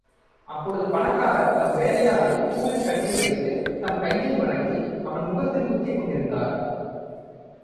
அப்பொழுது பணக்காரர் தம் வேலையாளைத் தூணிற் கட்டி வைத்துத் தம் கையை மடக்கி, அவன் முகத்தில் குத்திக் கொண்டிருந்தார்.